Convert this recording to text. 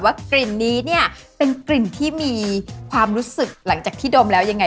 กลิ่นนี้เนี่ยเป็นกลิ่นที่มีความรู้สึกหลังจากที่ดมแล้วยังไง